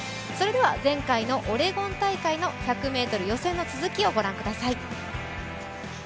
前回のオレゴン大会の１００ｍ予選の続きをご覧ください。